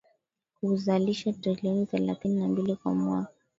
Huzalisha trilioni thelathini na mbili kwa mwaka